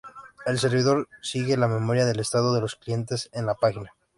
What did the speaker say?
El servidor sigue la memoria del estado de los clientes en la página.